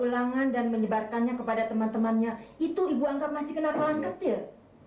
ulangan dan menyebarkannya kepada teman temannya itu ibu anggap masih kenakalan kecil